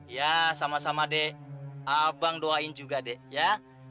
ya sama sama dek abang doain juga deh ya